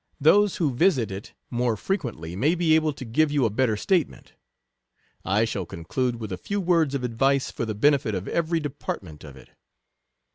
Those who visit it more frequently may be able jto give you a better statement. I shall conclude with a few words of ad vice for the benefit of every department of it.